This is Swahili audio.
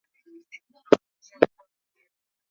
okta wilbrod sur akiwa anaongoza na majimbo kumi